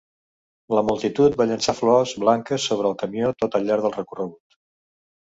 La multitud va llançar flors blanques sobre el camió tot al llarg del recorregut.